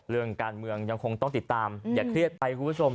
เรื่องการเมืองยังคงต้องติดตามอย่าเครียดไปคุณผู้ชม